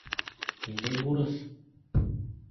Ниндәй бурыс?